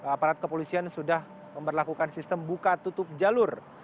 aparat kepolisian sudah memperlakukan sistem buka tutup jalur